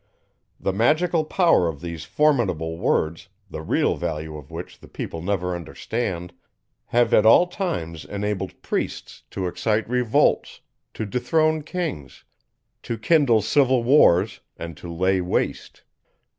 The magical power of these formidable words, the real value of which the people never understand, have at all times enabled priests to excite revolts, to dethrone kings, to kindle civil wars, and to lay waste.